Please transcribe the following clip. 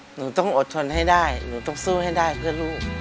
หนูต้องอดทนให้ได้หนูต้องสู้ให้ได้เพื่อลูก